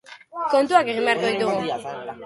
Kontuak egin beharko ditugu.